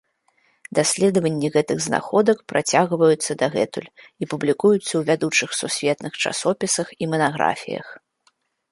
Даследванні гэтых знаходках працягваюцца дагэтуль і публікуюцца ў вядучых сусветных часопісах і манаграфіях.